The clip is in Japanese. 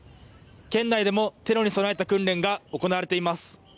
県内でもテロに備えた訓練が行われています。